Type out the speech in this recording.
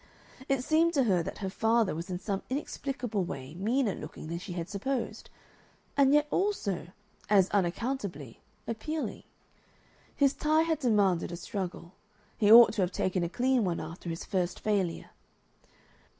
It seemed to her that her father was in some inexplicable way meaner looking than she had supposed, and yet also, as unaccountably, appealing. His tie had demanded a struggle; he ought to have taken a clean one after his first failure.